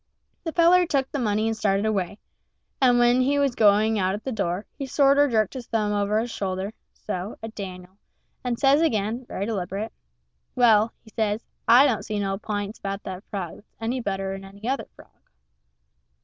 The feller took the money and started away; and when he was going out at the door, he sorter jerked his thumb over his shoulder so at Dan'l, and says again, very deliberate, "Well," he says, "I don't see no p'ints about that frog that's any better'n any other frog."